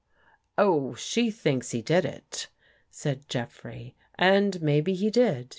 " Oh, she thinks he did it," said Jeffrey, " and maybe he did.